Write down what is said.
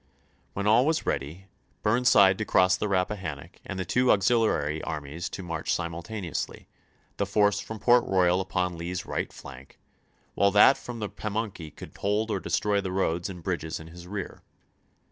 When all was ready, Burnside to cross the Rappa hannock and the two auxiliary armies to march FREDEEICKSBUKG 201 simultaneously, the force from Port Royal upon chap. x. Lee's right flank, while that from the Pamunkey could hold or destroy the roads and bridges in his rear.